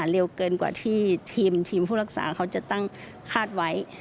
เร็วเกินกว่าที่ทีมผู้รักษาเขาจะตั้งคาดไว้